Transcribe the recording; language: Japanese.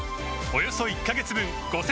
およそ１カ月分